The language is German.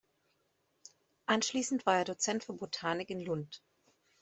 Anschließend war er Dozent für Botanik in Lund.